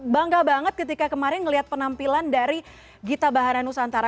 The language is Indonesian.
bangga banget ketika kemarin melihat penampilan dari gita bahana nusantara